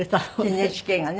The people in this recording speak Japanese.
ＮＨＫがね。